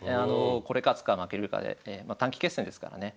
これ勝つか負けるかでまあ短期決戦ですからね。